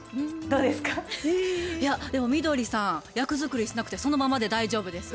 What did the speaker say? でもみどりさん役作りしなくてそのままで大丈夫ですよ。